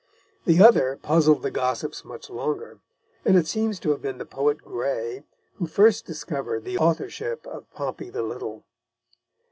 The other puzzled the gossips much longer, and it seems to have been the poet Gray who first discovered the authorship of Pompey the Little.